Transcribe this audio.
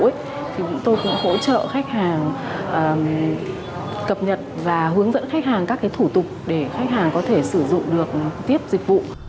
thì chúng tôi cũng hỗ trợ khách hàng cập nhật và hướng dẫn khách hàng các cái thủ tục để khách hàng có thể sử dụng được tiếp dịch vụ